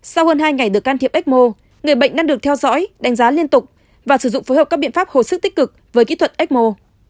sau hơn hai ngày được can thiệp ecmo người bệnh đang được theo dõi đánh giá liên tục và sử dụng phối hợp các biện pháp hồi sức tích cực với kỹ thuật ecmo